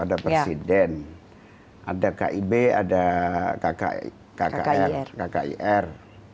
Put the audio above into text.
ada presiden ada kib ada kkir